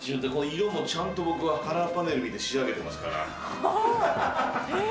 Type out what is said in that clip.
色もちゃんと僕はカラーパネル見て仕上げていますから。